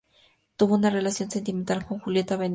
Tuvo una relación sentimental con Julieta Venegas.